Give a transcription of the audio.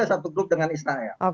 satu grup dengan israel